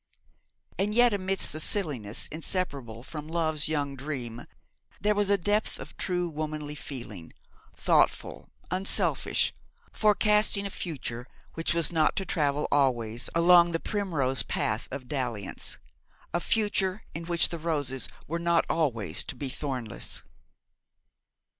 And yet amidst the silliness inseparable from love's young dream, there was a depth of true womanly feeling, thoughtful, unselfish, forecasting a future which was not to travel always along the primrose path of dalliance a future in which the roses were not always to be thornless.